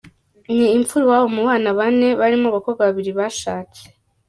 Ni imfura iwabo mu bana bane barimo abakobwa babiri bashatse.